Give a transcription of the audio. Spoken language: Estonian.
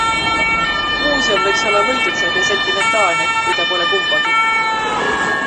Muuseum võiks olla võidutsev ja sentimentaalne, kui ta pole kumbagi.